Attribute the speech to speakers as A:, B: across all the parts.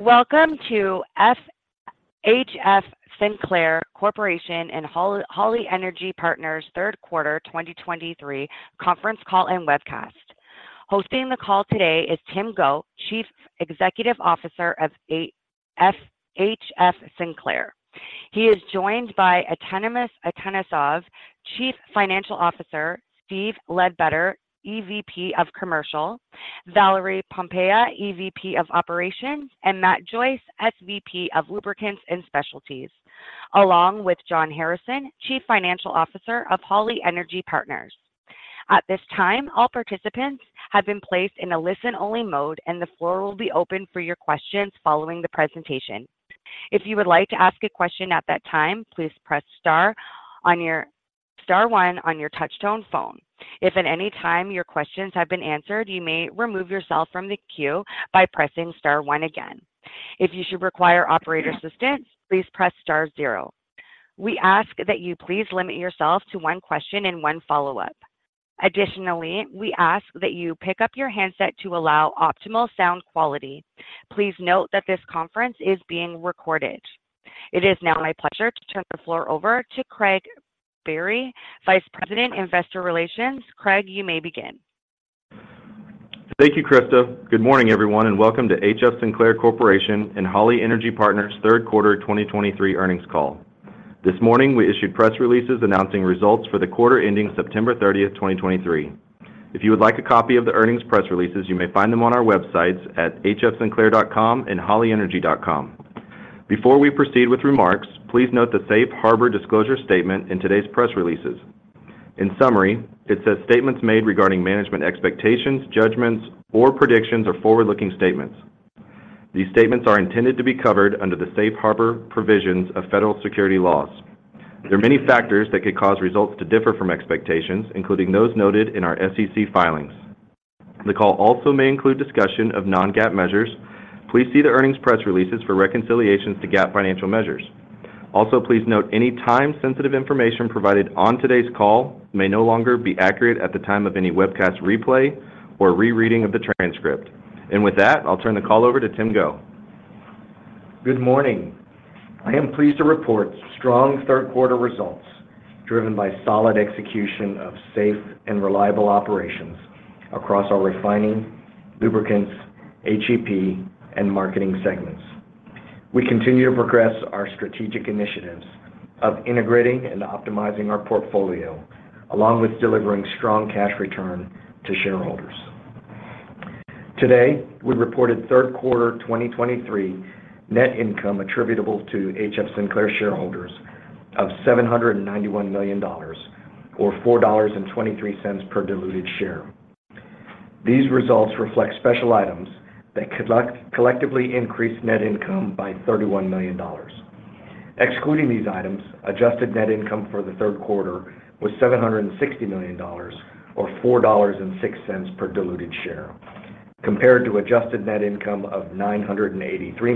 A: Welcome to HF Sinclair Corporation and Holly Energy Partners' Third Quarter 2023 Conference Call and Webcast. Hosting the call today is Tim Go, Chief Executive Officer of HF Sinclair. He is joined by Atanas Atanasov, Chief Financial Officer, Steve Ledbetter, EVP of Commercial, Valerie Pompa, EVP of Operations, and Matt Joyce, SVP of Lubricants and Specialties, along with John Harrison, Chief Financial Officer of Holly Energy Partners. At this time, all participants have been placed in a listen-only mode, and the floor will be open for your questions following the presentation. If you would like to ask a question at that time, please press star one on your touch-tone phone. If at any time your questions have been answered, you may remove yourself from the queue by pressing star one again. If you should require operator assistance, please press star zero. We ask that you please limit yourself to one question and one follow-up. Additionally, we ask that you pick up your handset to allow optimal sound quality. Please note that this conference is being recorded. It is now my pleasure to turn the floor over to Craig Biery, Vice President, Investor Relations. Craig, you may begin.
B: Thank you, Krista. Good morning, everyone, and welcome to HF Sinclair Corporation and Holly Energy Partners' third quarter 2023 earnings call. This morning, we issued press releases announcing results for the quarter ending September 30, 2023. If you would like a copy of the earnings press releases, you may find them on our websites at hfsinclair.com and hollyenergy.com. Before we proceed with remarks, please note the Safe Harbor disclosure statement in today's press releases. In summary, it says, "Statements made regarding management expectations, judgments, or predictions are forward-looking statements. These statements are intended to be covered under the Safe Harbor provisions of federal security laws. There are many factors that could cause results to differ from expectations, including those noted in our SEC filings. The call also may include discussion of non-GAAP measures. Please see the earnings press releases for reconciliations to GAAP financial measures. Also, please note any time-sensitive information provided on today's call may no longer be accurate at the time of any webcast replay or rereading of the transcript. With that, I'll turn the call over to Tim Go.
C: Good morning. I am pleased to report strong third quarter results, driven by solid execution of safe and reliable operations across our Refining, Lubricants, HEP, and Marketing segments. We continue to progress our strategic initiatives of integrating and optimizing our portfolio, along with delivering strong cash return to shareholders. Today, we reported third quarter 2023 net income attributable to HF Sinclair shareholders of $791 million, or $4.23 per diluted share. These results reflect special items that collectively increased net income by $31 million. Excluding these items, adjusted net income for the third quarter was $760 million, or $4.06 per diluted share, compared to adjusted net income of $983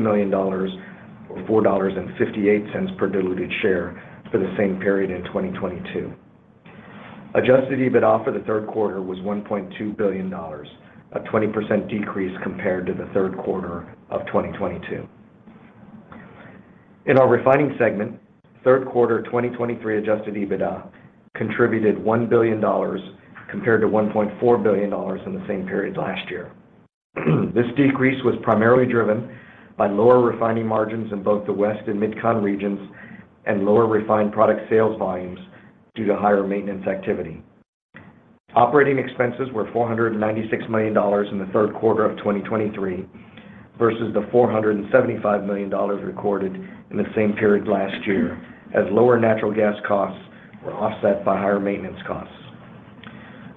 C: million, or $4.58 per diluted share for the same period in 2022. Adjusted EBITDA for the third quarter was $1.2 billion, a 20% decrease compared to the third quarter of 2022. In our Refining segment, third quarter 2023 Adjusted EBITDA contributed $1 billion compared to $1.4 billion in the same period last year. This decrease was primarily driven by lower Refining margins in both the West and MidCon regions and lower refined product sales volumes due to higher maintenance activity. Operating expenses were $496 million in the third quarter of 2023, versus the $475 million recorded in the same period last year, as lower natural gas costs were offset by higher maintenance costs.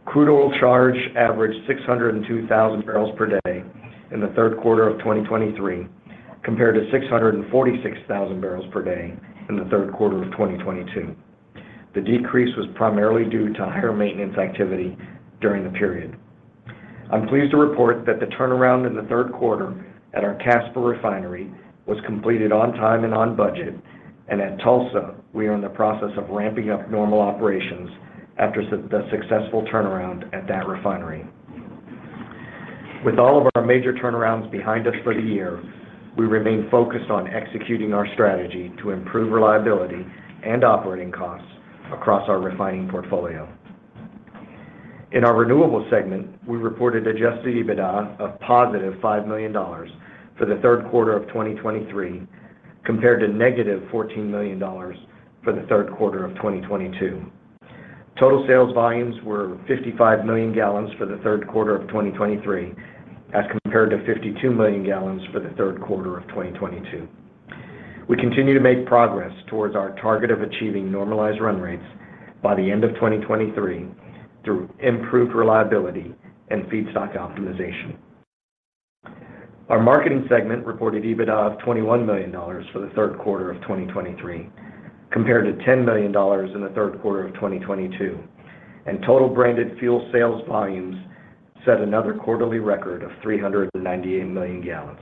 C: Crude oil charge averaged 602,000 barrels per day in the third quarter of 2023, compared to 646,000 barrels per day in the third quarter of 2022. The decrease was primarily due to higher maintenance activity during the period. I'm pleased to report that the turnaround in the third quarter at our Casper refinery was completed on time and on budget, and at Tulsa, we are in the process of ramping up normal operations after the successful turnaround at that refinery. With all of our major turnarounds behind us for the year, we remain focused on executing our strategy to improve reliability and operating costs across our Refining portfolio. In our Renewables segment, we reported Adjusted EBITDA of $5 million for the third quarter of 2023, compared to $-14 million for the third quarter of 2022. Total sales volumes were 55 million gallons for the third quarter of 2023, as compared to 52 million gallons for the third quarter of 2022. We continue to make progress towards our target of achieving normalized run rates by the end of 2023 through improved reliability and feedstock optimization. Our Marketing segment reported EBITDA of $21 million for the third quarter of 2023, compared to $10 million in the third quarter of 2022, and total branded fuel sales volumes set another quarterly record of 398 million gallons.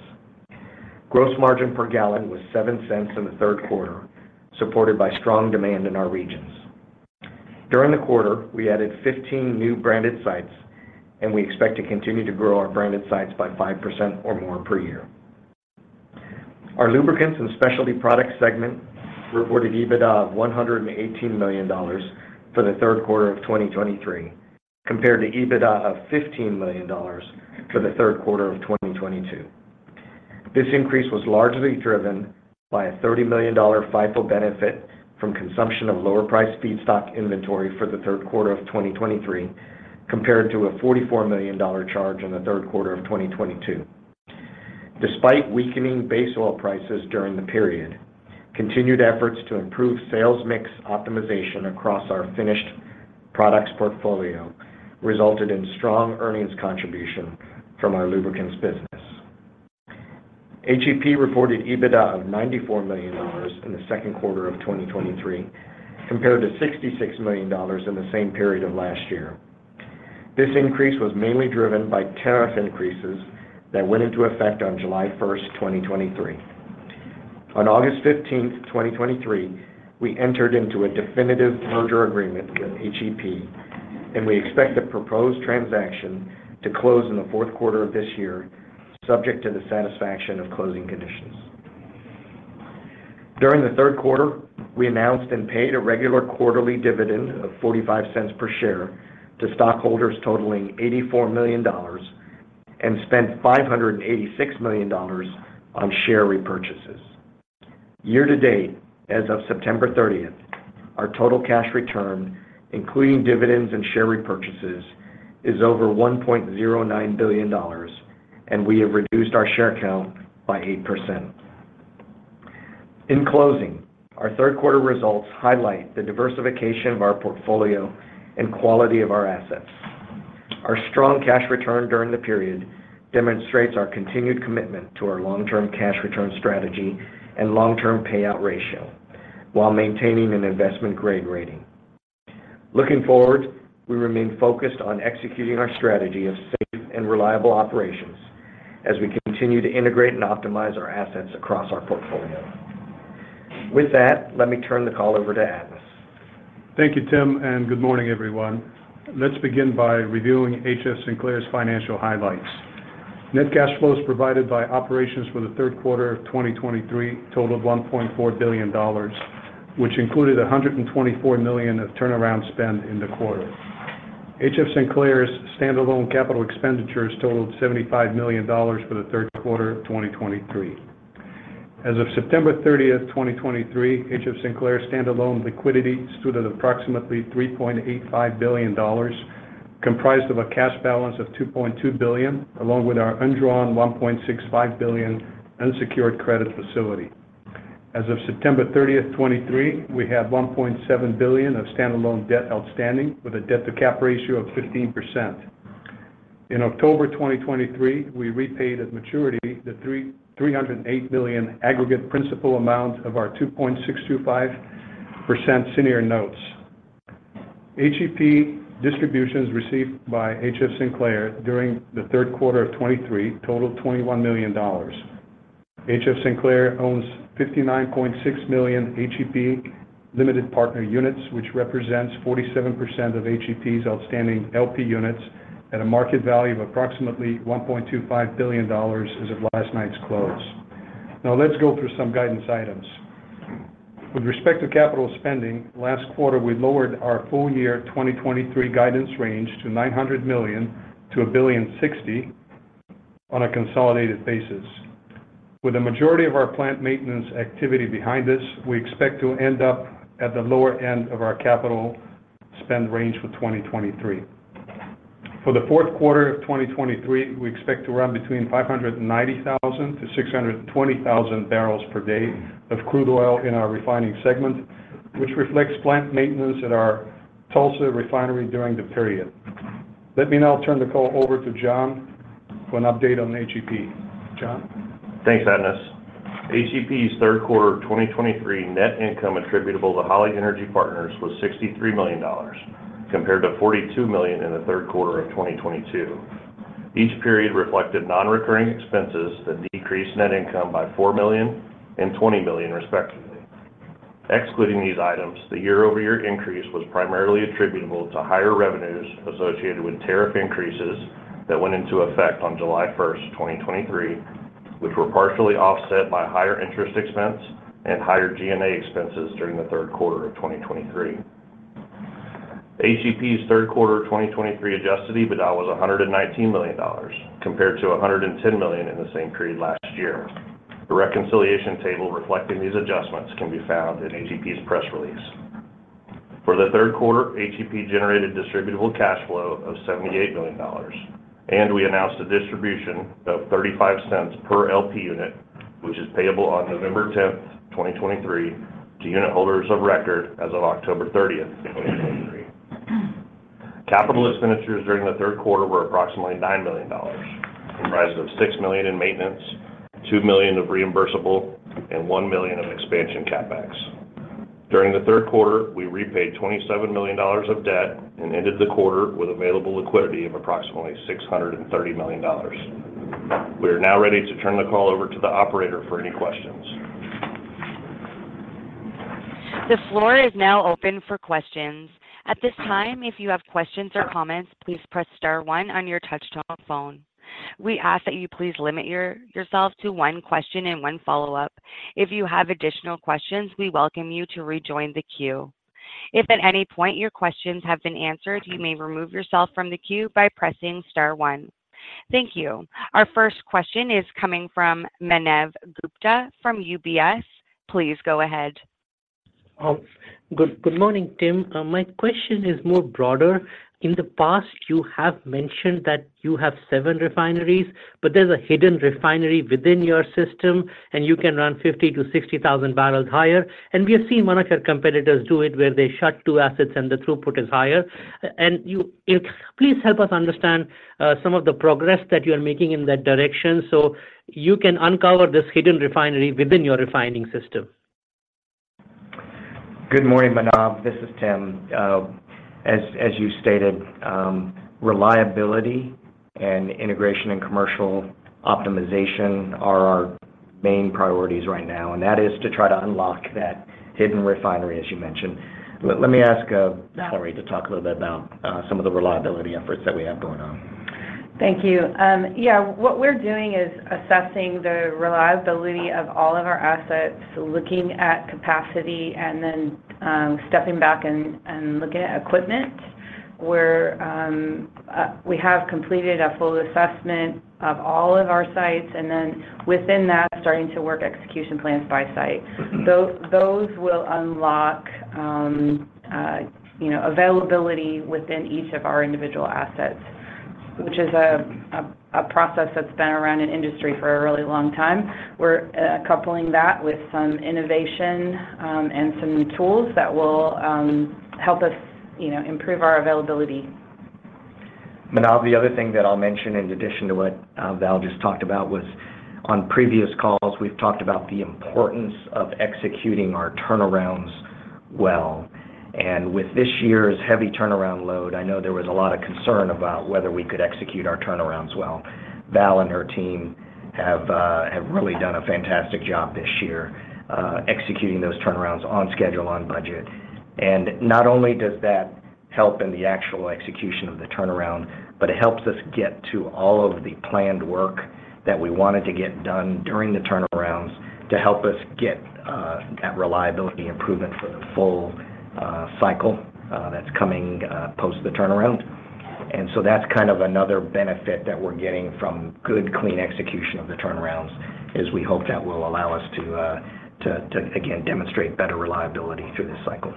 C: Gross margin per gallon was $0.07 in the third quarter, supported by strong demand in our regions... During the quarter, we added 15 new branded sites, and we expect to continue to grow our branded sites by 5% or more per year. Our Lubricants & Specialty Products segment reported EBITDA of $118 million for the third quarter of 2023, compared to EBITDA of $15 million for the third quarter of 2022. This increase was largely driven by a $30 million FIFO benefit from consumption of lower-priced feedstock inventory for the third quarter of 2023, compared to a $44 million dollar charge in the third quarter of 2022. Despite weakening base oil prices during the period, continued efforts to improve sales mix optimization across our finished products portfolio resulted in strong earnings contribution from our Lubricants business. HEP reported EBITDA of $94 million in the second quarter of 2023, compared to $66 million in the same period of last year. This increase was mainly driven by tariff increases that went into effect on July 1st, 2023. On August 15th, 2023, we entered into a definitive merger agreement with HEP, and we expect the proposed transaction to close in the fourth quarter of this year, subject to the satisfaction of closing conditions. During the third quarter, we announced and paid a regular quarterly dividend of $0.45 per share to stockholders totaling $84 million, and spent $586 million on share repurchases. Year-to-date, as of September 30th, our total cash return, including dividends and share repurchases, is over $1.09 billion, and we have reduced our share count by 8%. In closing, our third quarter results highlight the diversification of our portfolio and quality of our assets. Our strong cash return during the period demonstrates our continued commitment to our long-term cash return strategy and long-term payout ratio, while maintaining an investment-grade rating. Looking forward, we remain focused on executing our strategy of safe and reliable operations as we continue to integrate and optimize our assets across our portfolio. With that, let me turn the call over to Atanas.
D: Thank you, Tim, and good morning, everyone. Let's begin by reviewing HF Sinclair's financial highlights. Net cash flows provided by operations for the third quarter of 2023 totaled $1.4 billion, which included $124 million of turnaround spend in the quarter. HF Sinclair's standalone capital expenditures totaled $75 million for the third quarter of 2023. As of September 30, 2023, HF Sinclair's standalone liquidity stood at approximately $3.85 billion, comprised of a cash balance of $2.2 billion, along with our undrawn $1.65 billion unsecured credit facility. As of September 30, 2023, we have $1.7 billion of standalone debt outstanding, with a debt-to-cap ratio of 15%. In October 2023, we repaid at maturity the $308 million aggregate principal amount of our 2.625% senior notes. HEP distributions received by HF Sinclair during the third quarter of 2023 totaled $21 million. HF Sinclair owns 59.6 million HEP limited partner units, which represents 47% of HEP's outstanding LP units at a market value of approximately $1.25 billion as of last night's close. Now, let's go through some guidance items. With respect to capital spending, last quarter, we lowered our full-year 2023 guidance range to $900 million-$1.06 billion on a consolidated basis. With the majority of our plant maintenance activity behind us, we expect to end up at the lower end of our capital spend range for 2023. For the fourth quarter of 2023, we expect to run between 590,000 and 620,000 barrels per day of crude oil in our Refining segment, which reflects plant maintenance at our Tulsa refinery during the period. Let me now turn the call over to John for an update on HEP. John?
E: Thanks, Atanas. HEP's third quarter of 2023 net income attributable to Holly Energy Partners was $63 million, compared to $42 million in the third quarter of 2022. Each period reflected non-recurring expenses that decreased net income by $4 million and $20 million, respectively. Excluding these items, the year-over-year increase was primarily attributable to higher revenues associated with tariff increases that went into effect on July 1st, 2023, which were partially offset by higher interest expense and higher G&A expenses during the third quarter of 2023. HEP's third quarter of 2023 Adjusted EBITDA was $119 million, compared to $110 million in the same period last year. The reconciliation table reflecting these adjustments can be found in HEP's press release. For the third quarter, HEP generated distributable cash flow of $78 million, and we announced a distribution of $0.35 per LP unit, which is payable on November 10, 2023, to unit holders of record as of October 30, 2023. Capital expenditures during the third quarter were approximately $9 million, comprised of $6 million in maintenance, $2 million of reimbursable, and $1 million of expansion CapEx. During the third quarter, we repaid $27 million of debt and ended the quarter with available liquidity of approximately $630 million. We are now ready to turn the call over to the operator for any questions.
A: The floor is now open for questions. At this time, if you have questions or comments, please press star one on your touch-tone phone. We ask that you please limit yourself to one question and one follow-up. If you have additional questions, we welcome you to rejoin the queue. If at any point your questions have been answered, you may remove yourself from the queue by pressing star one. Thank you. Our first question is coming from Manav Gupta from UBS. Please go ahead.
F: Oh, good, good morning, Tim. My question is more broader. In the past, you have mentioned that you have seven refineries, but there's a hidden refinery within your system, and you can run 50,000-60,000 barrels higher. And we have seen one of your competitors do it, where they shut two assets and the throughput is higher. And please help us understand, some of the progress that you're making in that direction, so you can uncover this hidden refinery within your Refining system.
C: Good morning, Manav. This is Tim. As you stated, reliability and integration and commercial optimization are our main priorities right now, and that is to try to unlock that hidden refinery, as you mentioned. Let me ask Valerie to talk a little bit about some of the reliability efforts that we have going on.
G: Thank you. Yeah, what we're doing is assessing the reliability of all of our assets, looking at capacity, and then stepping back and looking at equipment, where we have completed a full assessment of all of our sites, and then within that, starting to work execution plans by site. Those will unlock, you know, availability within each of our individual assets, which is a process that's been around in industry for a really long time. We're coupling that with some innovation and some new tools that will help us, you know, improve our availability.
C: Manav, the other thing that I'll mention, in addition to what, Val just talked about, was on previous calls, we've talked about the importance of executing our turnarounds well. And with this year's heavy turnaround load, I know there was a lot of concern about whether we could execute our turnarounds well. Val and her team have, have really done a fantastic job this year, executing those turnarounds on schedule, on budget. And not only does that help in the actual execution of the turnaround, but it helps us get to all of the planned work that we wanted to get done during the turnarounds to help us get, that reliability improvement for the full, cycle, that's coming, post the turnaround. And so that's kind of another benefit that we're getting from good, clean execution of the turnarounds, is we hope that will allow us to again demonstrate better reliability through this cycle.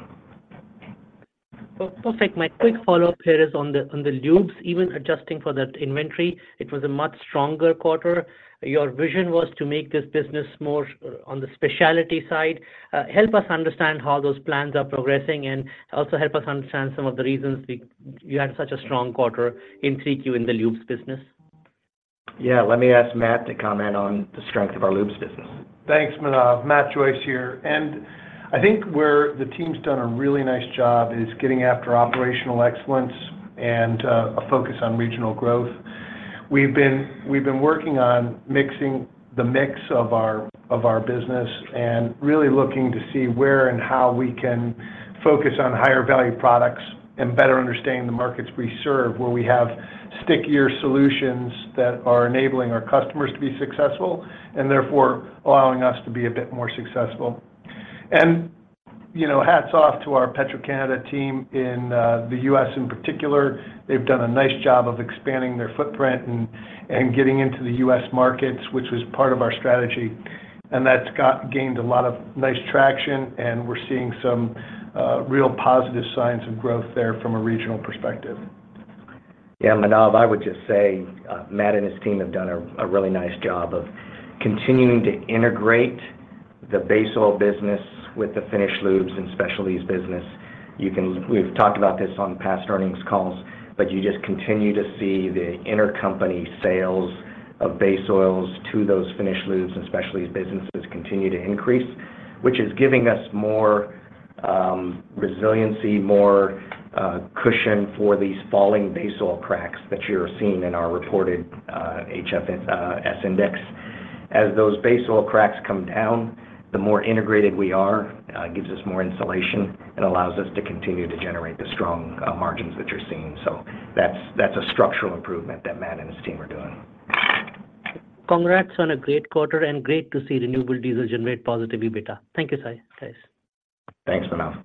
F: Well, perfect. My quick follow-up here is on the lubes. Even adjusting for that inventory, it was a much stronger quarter. Your vision was to make this business more on the specialty side. Help us understand how those plans are progressing, and also help us understand some of the reasons you had such a strong quarter in 3Q in the lubes business.
C: Yeah, let me ask Matt to comment on the strength of our lubes business.
H: Thanks, Manav. Matt Joyce here. I think where the team's done a really nice job is getting after operational excellence and a focus on regional growth. We've been, we've been working on mixing the mix of our, of our business and really looking to see where and how we can focus on higher-value products and better understanding the markets we serve, where we have stickier solutions that are enabling our customers to be successful, and therefore allowing us to be a bit more successful. You know, hats off to our Petro-Canada team in the U.S., in particular. They've done a nice job of expanding their footprint and getting into the U.S. markets, which was part of our strategy. And that's gained a lot of nice traction, and we're seeing some real positive signs of growth there from a regional perspective.
C: Yeah, Manav, I would just say, Matt and his team have done a really nice job of continuing to integrate the base oil business with the finished lubes and specialties business. We've talked about this on past earnings calls, but you just continue to see the intercompany sales of base oils to those finished lubes and specialties businesses continue to increase, which is giving us more resiliency, more cushion for these falling base oil cracks that you're seeing in our reported HFS Index. As those base oil cracks come down, the more integrated we are, it gives us more insulation and allows us to continue to generate the strong margins that you're seeing. So that's a structural improvement that Matt and his team are doing.
F: Congrats on a great quarter, and great to see renewable diesel generate positive EBITDA. Thank you, guys.
C: Thanks, Manav.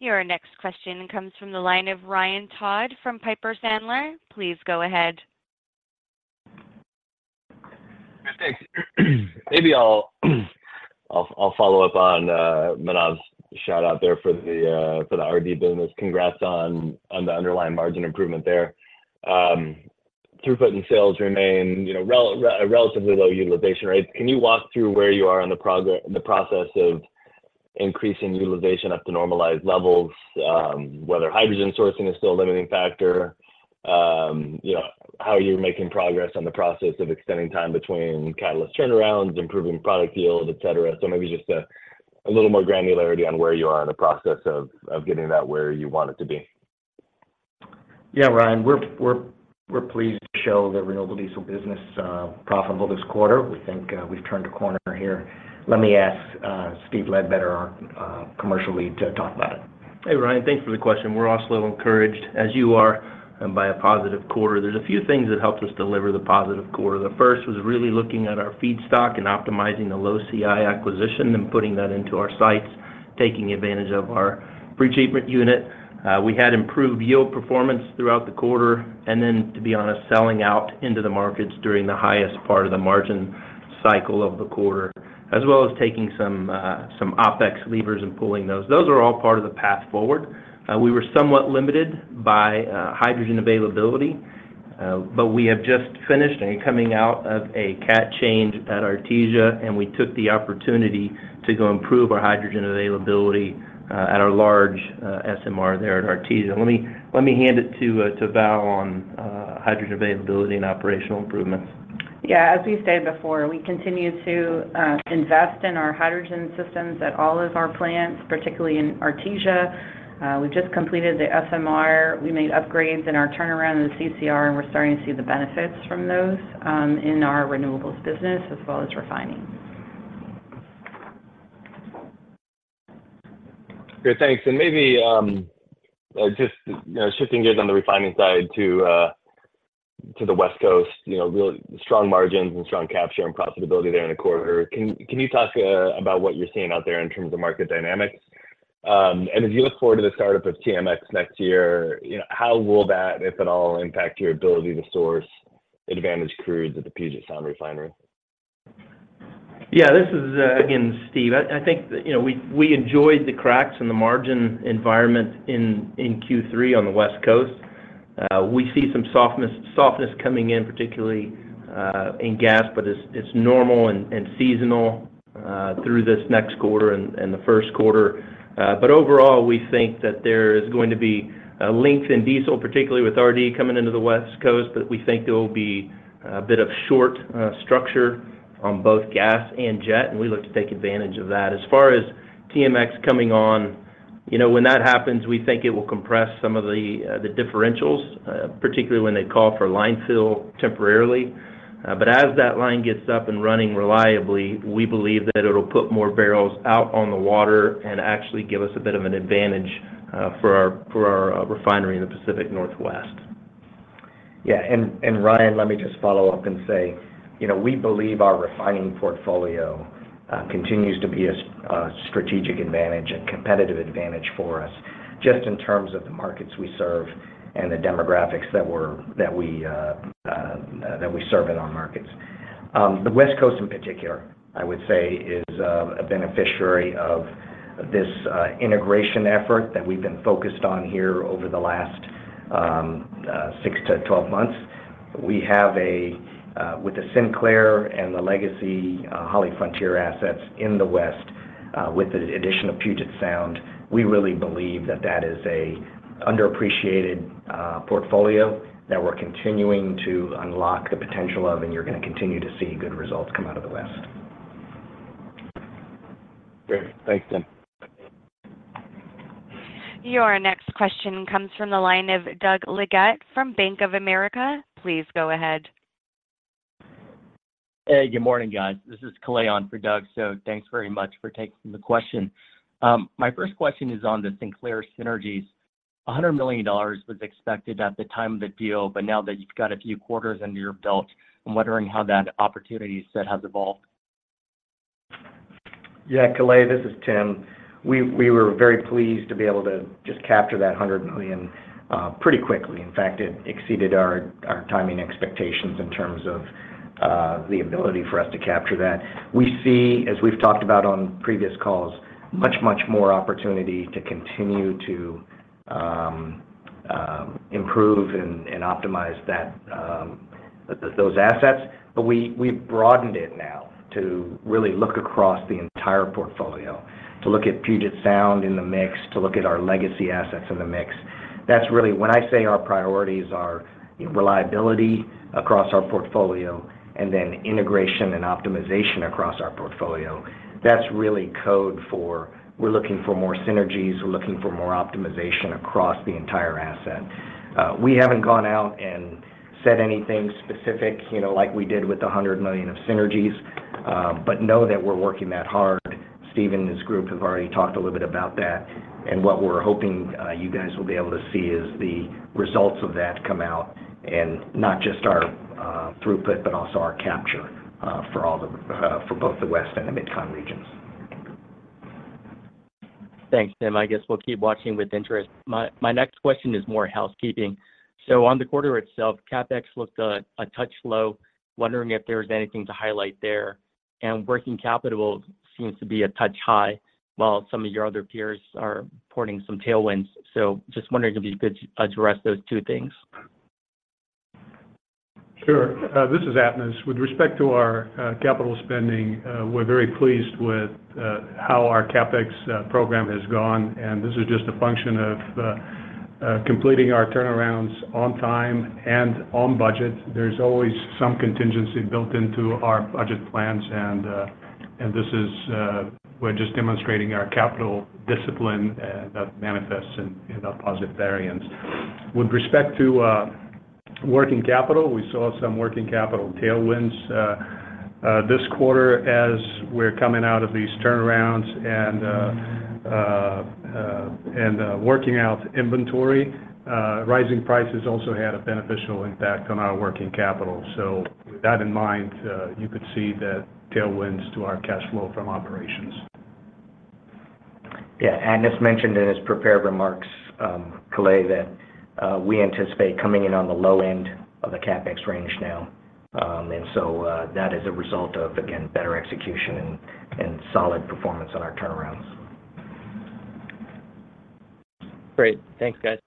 A: Your next question comes from the line of Ryan Todd from Piper Sandler. Please go ahead.
I: Thanks. Maybe I'll follow up on Manav's shout out there for the RD business. Congrats on the underlying margin improvement there. Throughput and sales remain, you know, relatively low utilization rates. Can you walk through where you are on the progress, the process of increasing utilization up to normalized levels, whether hydrogen sourcing is still a limiting factor? You know, how are you making progress on the process of extending time between catalyst turnarounds, improving product yield, et cetera? So maybe just a little more granularity on where you are in the process of getting that where you want it to be.
C: Yeah, Ryan, we're pleased to show the renewable diesel business profitable this quarter. We think we've turned a corner here. Let me ask Steve Ledbetter, our commercial lead, to talk about it.
J: Hey, Ryan, thanks for the question. We're also encouraged, as you are, by a positive quarter. There's a few things that helped us deliver the positive quarter. The first was really looking at our feedstock and optimizing the low CI acquisition and putting that into our sites, taking advantage of our pre-treatment unit. We had improved yield performance throughout the quarter, and then, to be honest, selling out into the markets during the highest part of the margin cycle of the quarter, as well as taking some OpEx levers and pulling those. Those are all part of the path forward. We were somewhat limited by hydrogen availability, but we have just finished and coming out of a cat change at Artesia, and we took the opportunity to go improve our hydrogen availability at our large SMR there at Artesia. Let me hand it to Val on hydrogen availability and operational improvements.
G: Yeah, as we've stated before, we continue to invest in our hydrogen systems at all of our plants, particularly in Artesia. We've just completed the SMR. We made upgrades in our turnaround in the CCR, and we're starting to see the benefits from those in our Renewables business, as well as Refining.
I: Great, thanks. And maybe just shifting gears on the Refining side to the West Coast, you know, real strong margins and strong capture and profitability there in the quarter. Can you talk about what you're seeing out there in terms of market dynamics? And as you look forward to the startup of TMX next year, you know, how will that, if at all, impact your ability to source advantage crudes at the Puget Sound Refinery?
J: Yeah, this is, again, Steve. I think, you know, we enjoyed the cracks in the margin environment in Q3 on the West Coast. We see some softness coming in, particularly in gas, but it's normal and seasonal through this next quarter and the first quarter. But overall, we think that there is going to be a length in diesel, particularly with RD coming into the West Coast, but we think there will be a bit of short structure on both gas and jet, and we look to take advantage of that. As far as TMX coming on, you know, when that happens, we think it will compress some of the differentials, particularly when they call for line fill temporarily. But as that line gets up and running reliably, we believe that it'll put more barrels out on the water and actually give us a bit of an advantage for our refinery in the Pacific Northwest.
C: Yeah. Ryan, let me just follow up and say, you know, we believe our Refining portfolio continues to be a strategic advantage and competitive advantage for us, just in terms of the markets we serve and the demographics that we serve in our markets. The West Coast in particular, I would say, is a beneficiary of this integration effort that we've been focused on here over the last 6-12 months. With the Sinclair and the legacy HollyFrontier assets in the West, with the addition of Puget Sound, we really believe that that is an underappreciated portfolio that we're continuing to unlock the potential of, and you're gonna continue to see good results come out of the West.
I: Great. Thanks, Tim.
A: Your next question comes from the line of Doug Leggate from Bank of America. Please go ahead.
K: Hey, good morning, guys. This is Kalei for Doug, so thanks very much for taking the question. My first question is on the Sinclair synergies. $100 million was expected at the time of the deal, but now that you've got a few quarters under your belt, I'm wondering how that opportunity set has evolved.
C: Yeah, Kalei, this is Tim. We were very pleased to be able to just capture that $100 million pretty quickly. In fact, it exceeded our timing expectations in terms of the ability for us to capture that. We see, as we've talked about on previous calls, much, much more opportunity to continue to improve and optimize those assets. But we've broadened it now to really look across the entire portfolio, to look at Puget Sound in the mix, to look at our legacy assets in the mix. That's really, when I say our priorities are reliability across our portfolio and then integration and optimization across our portfolio, that's really code for we're looking for more synergies, we're looking for more optimization across the entire asset. We haven't gone out and said anything specific, you know, like we did with the $100 million of synergies, but know that we're working that hard. Steve and his group have already talked a little bit about that, and what we're hoping, you guys will be able to see is the results of that come out, and not just our throughput, but also our capture for all the—for both the West and the MidCon regions.
K: Thanks, Tim. I guess we'll keep watching with interest. My next question is more housekeeping. So on the quarter itself, CapEx looked a touch low. Wondering if there was anything to highlight there. And working capital seems to be a touch high, while some of your other peers are reporting some tailwinds. So just wondering if you could address those two things.
D: Sure. This is Atanas. With respect to our capital spending, we're very pleased with how our CapEx program has gone, and this is just a function of completing our turnarounds on time and on budget. There's always some contingency built into our budget plans, and this is... We're just demonstrating our capital discipline that manifests in our positive variance. With respect to, Working capital, we saw some working capital tailwinds this quarter as we're coming out of these turnarounds and working out inventory. Rising prices also had a beneficial impact on our working capital. So with that in mind, you could see the tailwinds to our cash flow from operations.
C: Yeah. Atanas mentioned in his prepared remarks, Kalei, that we anticipate coming in on the low end of the CapEx range now. And so, that is a result of, again, better execution and solid performance on our turnarounds.
K: Great. Thanks, guys.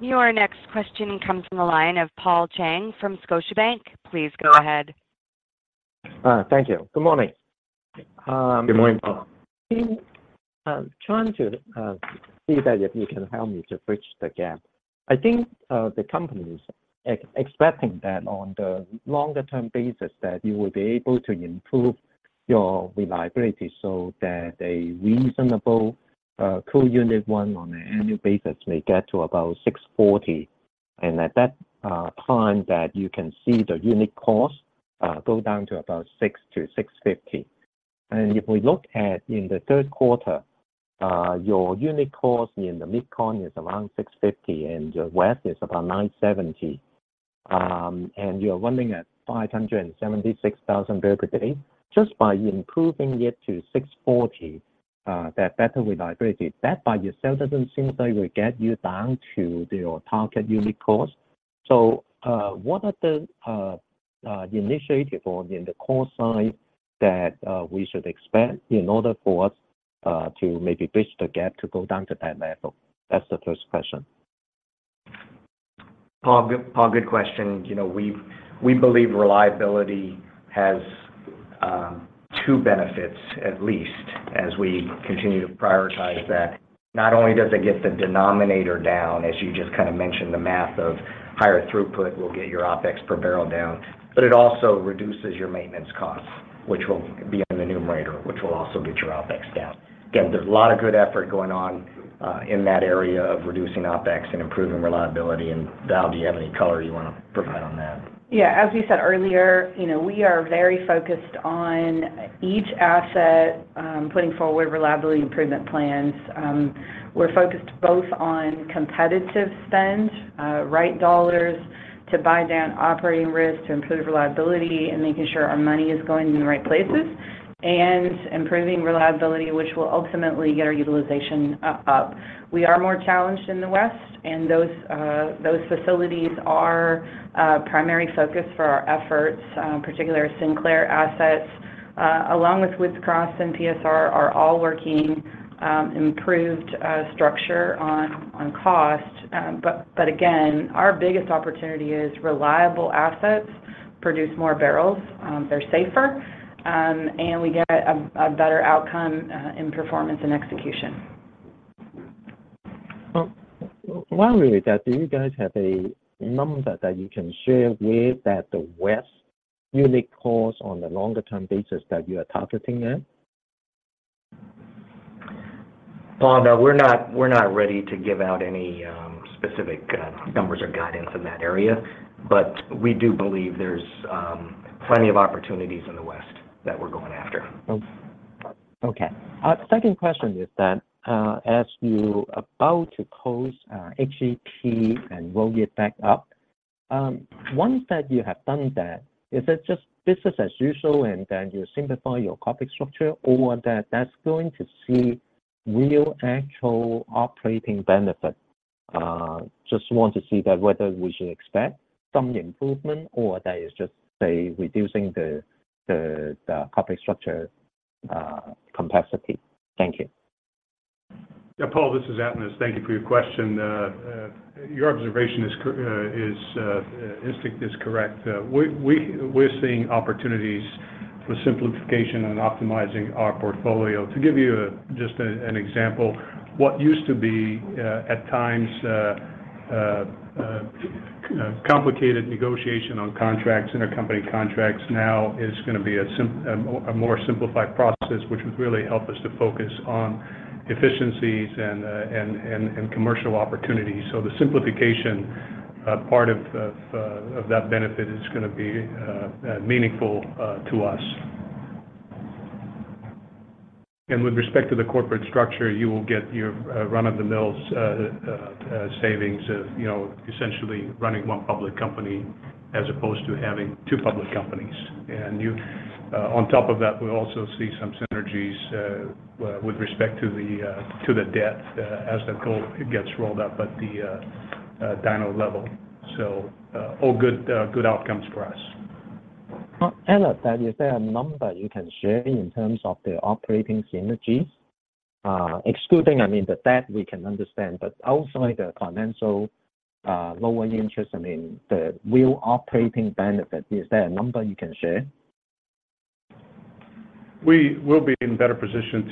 A: Your next question comes from the line of Paul Cheng from Scotiabank. Please go ahead.
L: Thank you. Good morning.
C: Good morning, Paul.
L: Trying to see that if you can help me to bridge the gap. I think the company is expecting that on the longer-term basis, that you will be able to improve your reliability so that a reasonable 2U1 on an annual basis may get to about $6.40. And at that time that you can see the unit cost go down to about $6-$6.50. And if we look at in the third quarter, your unit cost in the MidCon is around $6.50, and your West is about $9.70. And you're running at 576,000 barrel per day. Just by improving it to $6.40, that better reliability, that by itself doesn't seem like will get you down to your target unit cost. What are the initiative or in the cost side that we should expect in order for us to maybe bridge the gap to go down to that level? That's the first question.
C: Paul, good question. You know, we believe reliability has two benefits, at least, as we continue to prioritize that. Not only does it get the denominator down, as you just kind of mentioned, the math of higher throughput will get your OpEx per barrel down, but it also reduces your maintenance costs, which will be in the numerator, which will also get your OpEx down. Again, there's a lot of good effort going on in that area of reducing OpEx and improving reliability. And, Val, do you have any color you wanna provide on that?
G: Yeah. As we said earlier, you know, we are very focused on each asset, putting forward reliability improvement plans. We're focused both on competitive spend, right dollars to buy down operating risks, to improve reliability, and making sure our money is going in the right places, and improving reliability, which will ultimately get our utilization up. We are more challenged in the West, and those facilities are a primary focus for our efforts, particularly our Sinclair assets, along with Woods Cross and PSR, are all working improved structure on cost. But again, our biggest opportunity is reliable assets produce more barrels, they're safer, and we get a better outcome in performance and execution.
L: Well, while we're at that, do you guys have a number that you can share with that the West unit cost on the longer-term basis that you are targeting at?
C: Paul, no, we're not, we're not ready to give out any specific numbers or guidance in that area, but we do believe there's plenty of opportunities in the West that we're going after.
L: Okay. Second question is that, as you about to close, HEP and roll it back up, once that you have done that, is it just business as usual, and then you simplify your corporate structure, or that that's going to see real actual operating benefit? Just want to see that whether we should expect some improvement or that is just, say, reducing the corporate structure complexity. Thank you.
D: Yeah, Paul, this is Atanas. Thank you for your question. Your observation is correct. Your instinct is correct. We're seeing opportunities for simplification and optimizing our portfolio. To give you just an example, what used to be at times complicated negotiation on contracts, intercompany contracts now is gonna be a more simplified process, which would really help us to focus on efficiencies and commercial opportunities. So the simplification part of that benefit is gonna be meaningful to us. And with respect to the corporate structure, you will get your run-of-the-mill savings of, you know, essentially running one public company as opposed to having two public companies. On top of that, we also see some synergies with respect to the debt, as the goal it gets rolled up at the DINO level. So, all good, good outcomes for us.
L: Atanas, is there a number you can share in terms of the operating synergies? Excluding, I mean, the debt we can understand, but outside the financial, lower interest, I mean, the real operating benefit, is there a number you can share?
D: We will be in a better position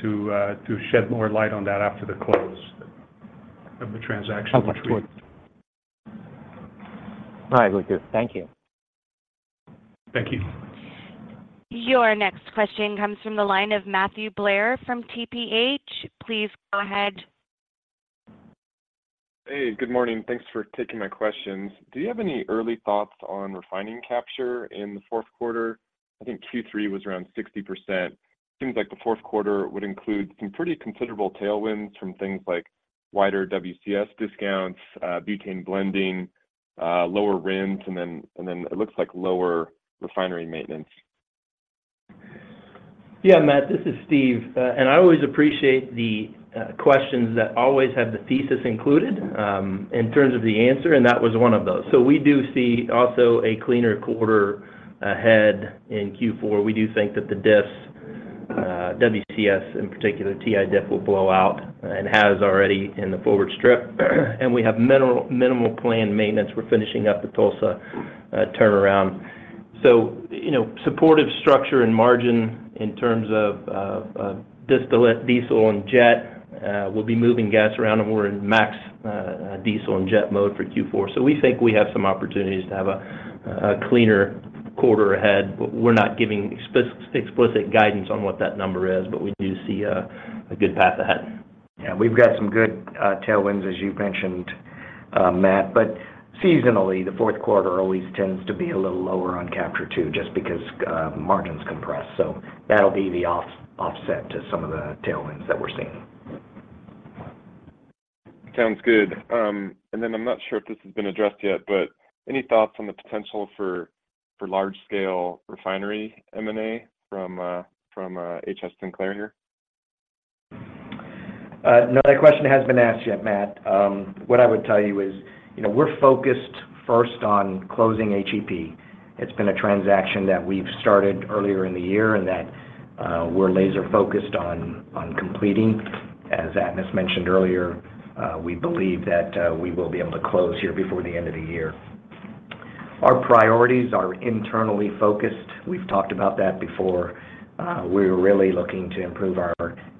D: to shed more light on that after the close of the transaction.
L: How much would-
C: I will do. Thank you.
D: Thank you.
A: Your next question comes from the line of Matthew Blair from TPH. Please go ahead.
M: Hey, good morning. Thanks for taking my questions. Do you have any early thoughts on Refining capture in the fourth quarter? I think Q3 was around 60%. Seems like the fourth quarter would include some pretty considerable tailwinds from things like wider WCS discounts, butane blending, lower RINs, and then, and then it looks like lower refinery maintenance.
J: Yeah, Matt, this is Steve. And I always appreciate the questions that always have the thesis included in terms of the answer, and that was one of those. So we do see also a cleaner quarter ahead in Q4. We do think that the diffs, WCS in particular, TI diff will blow out and has already in the forward strip. And we have minimal, minimal planned maintenance. We're finishing up the Tulsa turnaround. So, you know, supportive structure and margin in terms of distillate, diesel, and jet. We'll be moving gas around, and we're in max diesel and jet mode for Q4. So we think we have some opportunities to have a cleaner quarter ahead, but we're not giving explicit guidance on what that number is, but we do see a good path ahead.
C: Yeah, we've got some good, tailwinds, as you mentioned, Matt. But seasonally, the fourth quarter always tends to be a little lower on capture, too, just because, margins compress. So that'll be the offset to some of the tailwinds that we're seeing.
M: Sounds good. And then I'm not sure if this has been addressed yet, but any thoughts on the potential for large-scale refinery M&A from HF Sinclair here?
C: No, that question hasn't been asked yet, Matt. What I would tell you is, you know, we're focused first on closing HEP. It's been a transaction that we've started earlier in the year, and that we're laser-focused on completing. As Atanas mentioned earlier, we believe that we will be able to close here before the end of the year. Our priorities are internally focused. We've talked about that before. We're really looking to improve our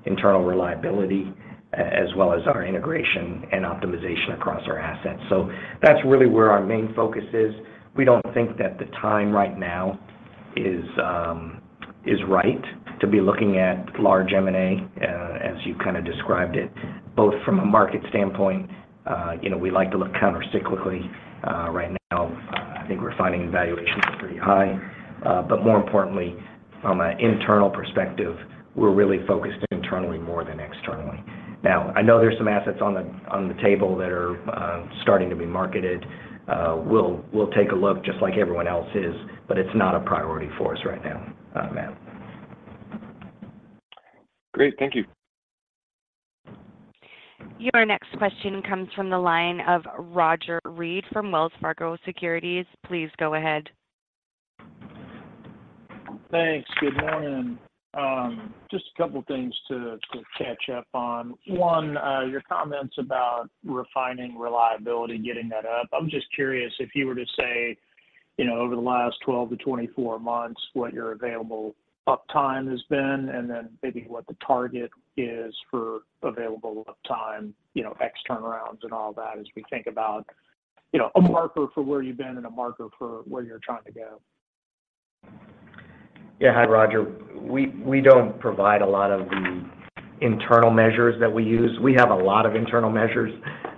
C: internal reliability, as well as our integration and optimization across our assets. So that's really where our main focus is. We don't think that the time right now is right to be looking at large M&A, as you kind of described it, both from a market standpoint. You know, we like to look countercyclically. Right now, I think we're finding valuations are pretty high. But more importantly, from an internal perspective, we're really focused internally more than externally. Now, I know there's some assets on the table that are starting to be marketed. We'll take a look just like everyone else is, but it's not a priority for us right now, Matt.
M: Great. Thank you.
A: Your next question comes from the line of Roger Read from Wells Fargo Securities. Please go ahead.
N: Thanks. Good morning. Just a couple of things to catch up on. One, your comments about Refining reliability, getting that up. I'm just curious if you were to say, you know, over the last 12-24 months, what your available uptime has been, and then maybe what the target is for available uptime, you know, ex turnarounds and all that, as we think about, you know, a marker for where you've been and a marker for where you're trying to go.
C: Yeah. Hi, Roger. We don't provide a lot of the internal measures that we use. We have a lot of internal measures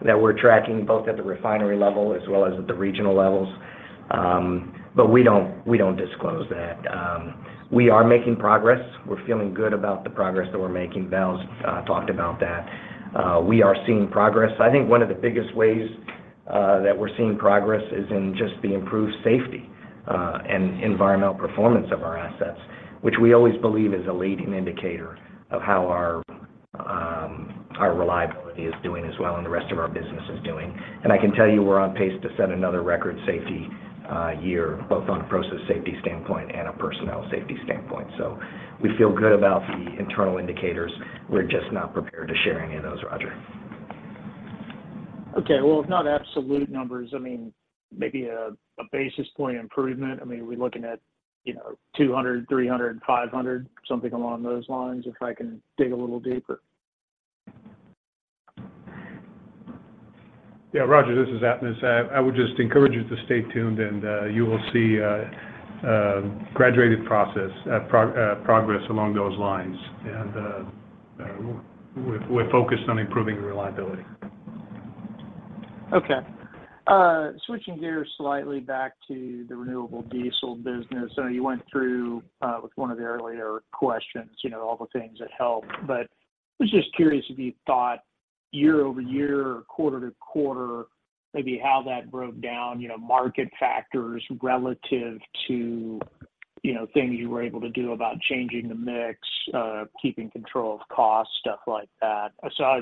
C: that we're tracking, both at the refinery level as well as at the regional levels. But we don't disclose that. We are making progress. We're feeling good about the progress that we're making. Val talked about that. We are seeing progress. I think one of the biggest ways that we're seeing progress is in just the improved safety and environmental performance of our assets, which we always believe is a leading indicator of how our reliability is doing as well and the rest of our business is doing. And I can tell you, we're on pace to set another record safety year, both on a process safety standpoint and a personnel safety standpoint. We feel good about the internal indicators. We're just not prepared to share any of those, Roger.
N: Okay. Well, if not absolute numbers, I mean, maybe a basis point improvement. I mean, are we looking at, you know, 200, 300, 500, something along those lines, if I can dig a little deeper?
D: Yeah, Roger, this is Atanas. I would just encourage you to stay tuned, and you will see graduated process progress along those lines. And we're focused on improving reliability.
N: Okay. Switching gears slightly back to the renewable diesel business. I know you went through with one of the earlier questions, you know, all the things that helped. But I was just curious if you thought year over year or quarter to quarter, maybe how that broke down, you know, market factors relative to, you know, things you were able to do about changing the mix, keeping control of cost, stuff like that. So I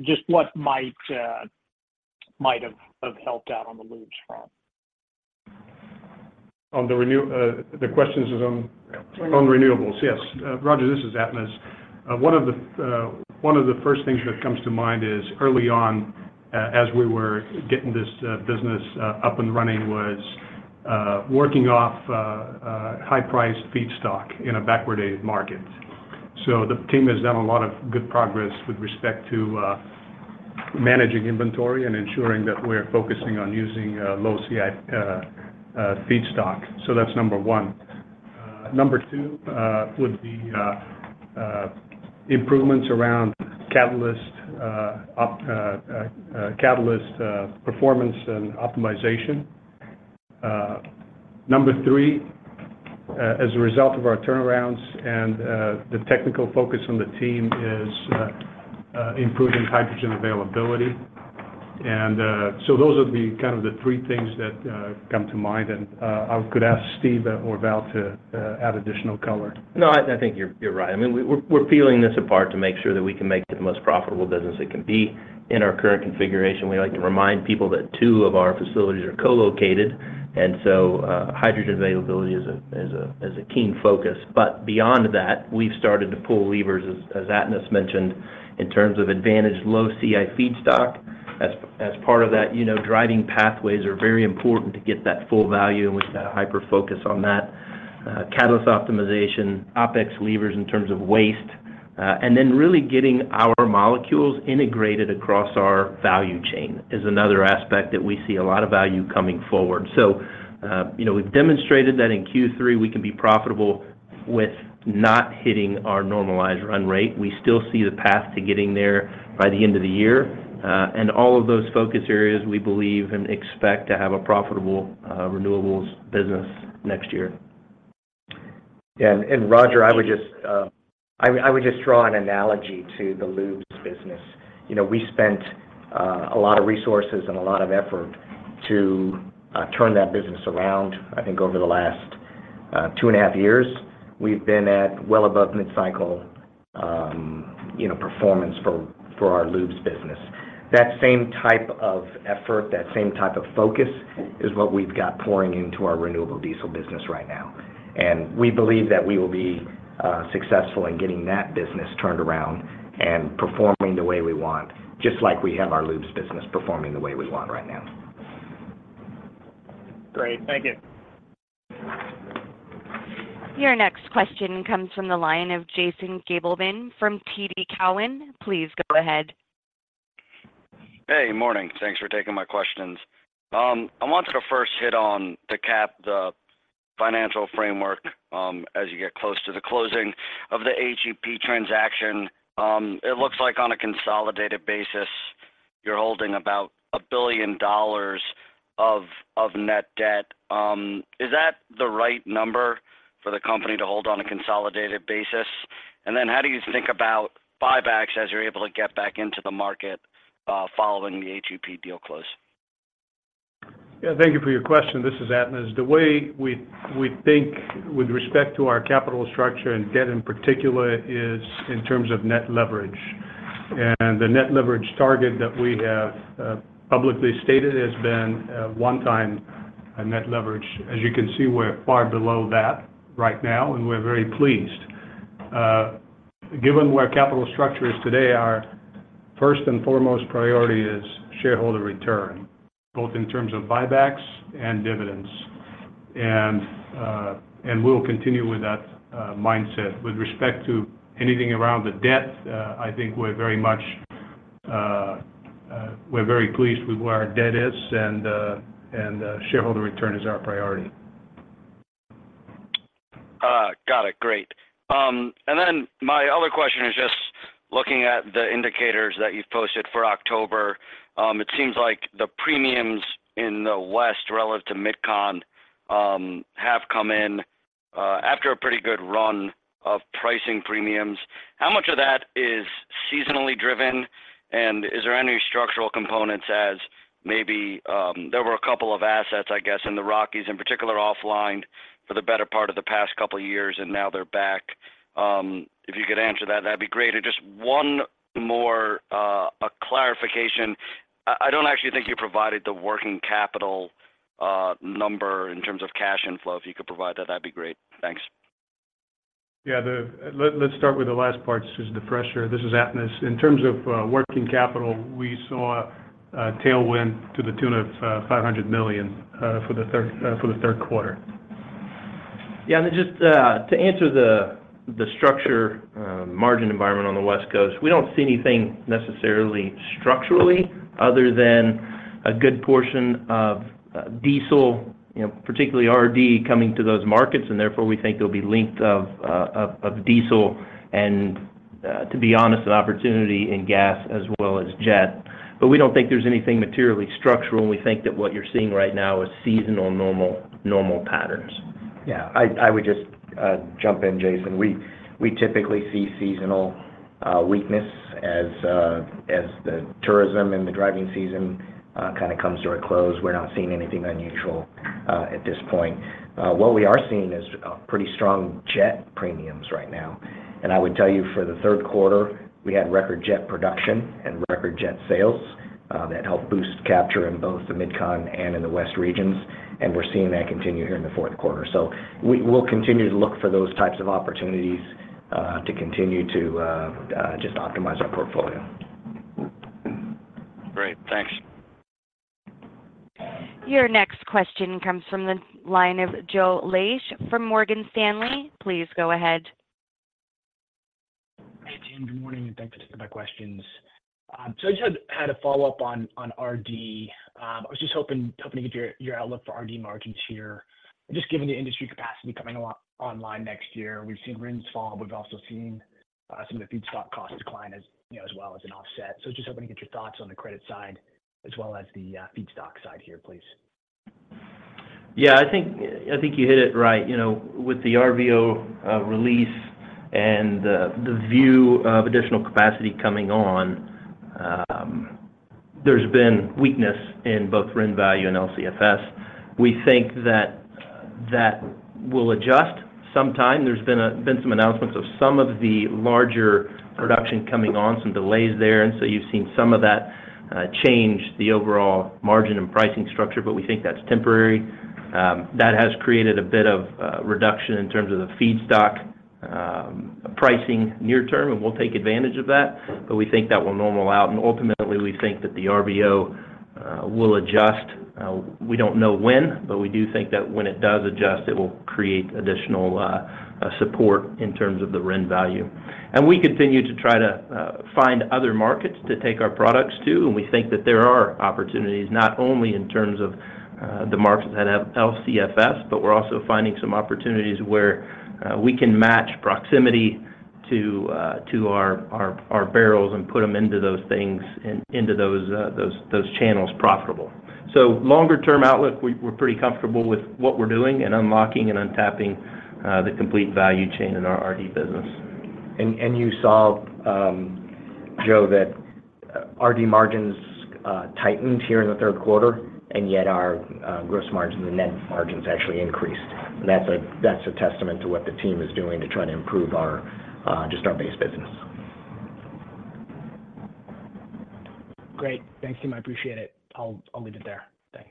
N: just what might have helped out on the lubes front?
D: The question is on-
N: On Renewables.
D: On Renewables, yes. Roger, this is Atanas. One of the first things that comes to mind is early on, as we were getting this business up and running, was working off high-priced feedstock in a backwardated market. So the team has done a lot of good progress with respect to managing inventory and ensuring that we're focusing on using low CI feedstock. So that's number one. Number two would be improvements around catalyst performance and optimization. Number three, as a result of our turnarounds and the technical focus on the team is improving hydrogen availability. And so those are the kind of the three things that come to mind. I could ask Steve or Val to add additional color.
J: No, I think you're right. I mean, we're peeling this apart to make sure that we can make it the most profitable business it can be. In our current configuration, we like to remind people that two of our facilities are co-located, and so, hydrogen availability is a keen focus. But beyond that, we've started to pull levers, as Atanas mentioned, in terms of advantage, low CI feedstock. As part of that, you know, driving pathways are very important to get that full value, and we've got a hyper focus on that. Catalyst optimization, OpEx levers in terms of waste, and then really getting our molecules integrated across our value chain is another aspect that we see a lot of value coming forward. You know, we've demonstrated that in Q3, we can be profitable with not hitting our normalized run rate. We still see the path to getting there by the end of the year. All of those focus areas, we believe and expect to have a profitable Renewables business next year.
C: Yeah, and Roger, I would just draw an analogy to the lubes business. You know, we spent a lot of resources and a lot of effort to turn that business around. I think over the last 2.5 years, we've been at well above mid-cycle, you know, performance for our lubes business. That same type of effort, that same type of focus, is what we've got pouring into our renewable diesel business right now. And we believe that we will be successful in getting that business turned around and performing the way we want, just like we have our lubes business performing the way we want right now. Great. Thank you.
A: Your next question comes from the line of Jason Gabelman from TD Cowen. Please go ahead.
O: Hey, morning. Thanks for taking my questions. I wanted to first hit on the CapEx, the financial framework, as you get close to the closing of the HEP transaction. It looks like on a consolidated basis, you're holding about $1 billion of net debt. Is that the right number for the company to hold on a consolidated basis? And then how do you think about buybacks as you're able to get back into the market, following the HEP deal close?
D: Yeah, thank you for your question. This is Atanas. The way we think with respect to our capital structure and debt, in particular, is in terms of net leverage. And the net leverage target that we have publicly stated has been 1x net leverage. As you can see, we're far below that right now, and we're very pleased. Given where capital structure is today, our first and foremost priority is shareholder return, both in terms of buybacks and dividends. And we'll continue with that mindset. With respect to anything around the debt, I think we're very much, we're very pleased with where our debt is, and shareholder return is our priority.
O: Got it. Great! And then my other question is just looking at the indicators that you've posted for October. It seems like the premiums in the West relative to MidCon have come in after a pretty good run of pricing premiums. How much of that is seasonally driven, and is there any structural components as maybe there were a couple of assets, I guess, in the Rockies in particular, offline for the better part of the past couple of years, and now they're back. If you could answer that, that'd be great. And just one more clarification. I don't actually think you provided the working capital number in terms of cash inflow. If you could provide that, that'd be great. Thanks.
D: Yeah, let's start with the last part, since it's the fresher. This is Atanas. In terms of working capital, we saw a tailwind to the tune of $500 million for the third quarter.
J: Yeah, and just to answer the structural margin environment on the West Coast, we don't see anything necessarily structurally other than a good portion of diesel, you know, particularly RD, coming to those markets, and therefore, we think there'll be length of diesel and, to be honest, an opportunity in gas as well as jet. But we don't think there's anything materially structural, and we think that what you're seeing right now is seasonal, normal patterns.
C: Yeah. I would just jump in, Jason. We typically see seasonal weakness as the tourism and the driving season kinda comes to a close. We're not seeing anything unusual at this point. What we are seeing is pretty strong jet premiums right now. And I would tell you, for the third quarter, we had record jet production and record jet sales that helped boost capture in both the MidCon and in the West regions, and we're seeing that continue here in the fourth quarter. So we'll continue to look for those types of opportunities to continue to just optimize our portfolio.
O: Great. Thanks.
A: Your next question comes from the line of Joe Laetsch from Morgan Stanley. Please go ahead.
P: Hey, Tim, good morning, and thanks for taking my questions. So I just had a follow-up on RD. I was just hoping to get your outlook for RD margins here. Just given the industry capacity coming a lot online next year, we've seen RINs fall. We've also seen some of the feedstock costs decline as, you know, as well as an offset. So just hoping to get your thoughts on the credit side as well as the feedstock side here, please.
J: Yeah, I think, I think you hit it right. You know, with the RVO release and the view of additional capacity coming on, there's been weakness in both RIN value and LCFS. We think that that will adjust sometime. There's been some announcements of some of the larger production coming on, some delays there, and so you've seen some of that change the overall margin and pricing structure, but we think that's temporary. That has created a bit of reduction in terms of the feedstock pricing near term, and we'll take advantage of that. But we think that will normal out, and ultimately, we think that the RVO will adjust. We don't know when, but we do think that when it does adjust, it will create additional support in terms of the RIN value. And we continue to try to find other markets to take our products to, and we think that there are opportunities, not only in terms of the markets that have LCFS, but we're also finding some opportunities where we can match proximity to our barrels and put them into those things and into those channels profitable. So longer term outlook, we're pretty comfortable with what we're doing and unlocking and untapping the complete value chain in our RD business.
C: You saw, Joe, that RD margins tightened here in the third quarter, and yet our gross margin and net margins actually increased. That's a testament to what the team is doing to try to improve our base business.
P: Great. Thanks, Tim. I appreciate it. I'll, I'll leave it there. Thanks.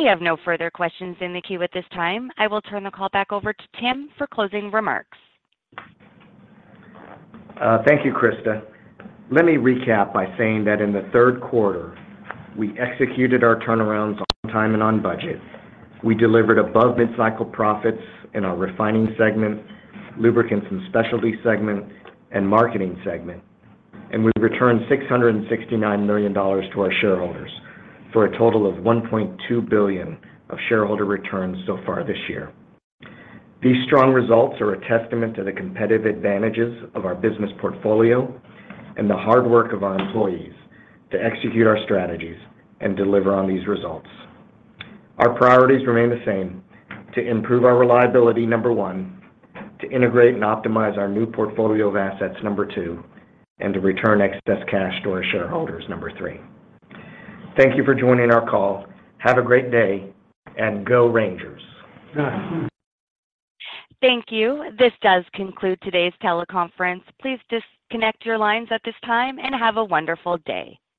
A: We have no further questions in the queue at this time. I will turn the call back over to Tim for closing remarks.
C: Thank you, Krista. Let me recap by saying that in the third quarter, we executed our turnarounds on time and on budget. We delivered above mid-cycle profits in our Refining segment, Lubricants & Specialty segment, and Marketing segment. We returned $669 million to our shareholders, for a total of $1.2 billion of shareholder returns so far this year. These strong results are a testament to the competitive advantages of our business portfolio and the hard work of our employees to execute our strategies and deliver on these results. Our priorities remain the same: to improve our reliability, number one; to integrate and optimize our new portfolio of assets, number two; and to return excess cash to our shareholders, number three. Thank you for joining our call. Have a great day, and go Rangers!
A: Thank you. This does conclude today's teleconference. Please disconnect your lines at this time, and have a wonderful day.